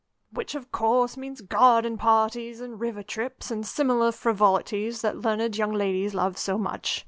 "Which, of course, means garden parties and river trips, and similar frivolities that learned young ladies love so much.